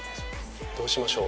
どうしましょう？